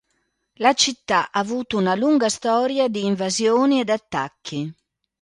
La città ha avuto una lunga storia di invasioni ed attacchi.